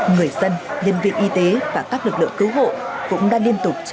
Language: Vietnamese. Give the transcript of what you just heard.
người dân nhân viên y tế và các lực lượng cứu hộ cũng đang liên tục chạy đua